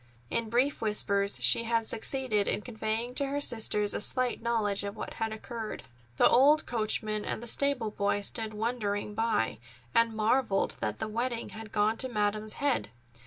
In brief whispers she had succeeded in conveying to her sisters a slight knowledge of what had occurred. The old coachman and the stable boy stood wondering by and marvelled that the wedding had gone to Madam's head.